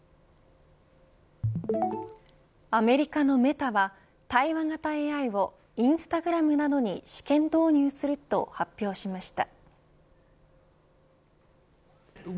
アメリカのメタは対話型ＡＩをインスタグラムなどに試験導入すると発表しました。